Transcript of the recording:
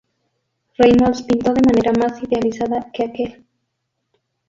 Reynolds pintó de manera más idealizada que aquel.